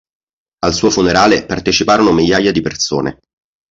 Al suo funerale parteciparono migliaia di persone.